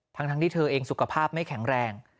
ทั้งที่เธอเองสุขภาพไม่แข็งแรง